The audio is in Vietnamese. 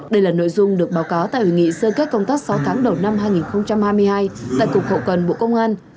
đây là nội dung được báo cáo tại hội nghị sơ kết công tác sáu tháng đầu năm hai nghìn hai mươi hai tại cục hậu cần bộ công an